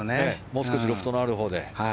もう少しロフトのあるほうで。